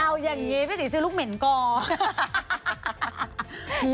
เอาอย่างนี้พี่ศรีซื้อลูกเหม็นก่อน